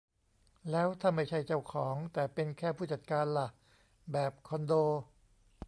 แล้วถ้าไม่ใช่เจ้าของ แต่เป็นแค่ผู้จัดการล่ะ ? แบบคอนโด